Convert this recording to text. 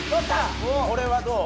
これはどう？